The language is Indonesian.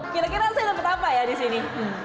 kira kira nanti dapat apa ya di sini